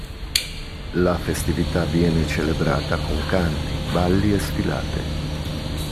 La festività viene celebrata con canti, balli e sfilate.